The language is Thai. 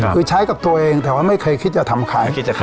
คือใช้กับตัวเองแต่ว่าไม่เคยคิดจะทำขายกิจการ